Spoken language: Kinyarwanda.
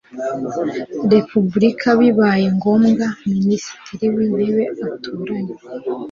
Repubulika bibaye ngombwa Minisitiri w Intebe atoranywa